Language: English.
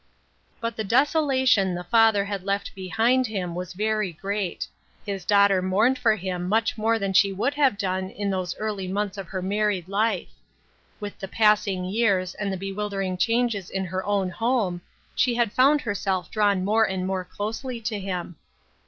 But the desolation the father had left behind him was very great. His daughter mourned for him much more than she would have done in those early months of her married life. With the pass ing years and the bewildering changes in her own home, she had found herself drawn more and more closely to him.